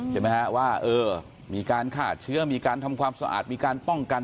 ใช่ไหมฮะว่าเออมีการฆ่าเชื้อมีการทำความสะอาดมีการป้องกัน